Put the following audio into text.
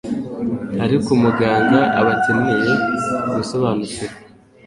Ariko umuganga aba akeneye gusobanukirwa